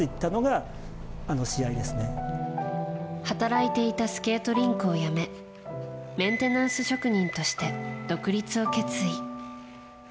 働いていたスケートリンクを辞めメンテナンス職人として独立を決意。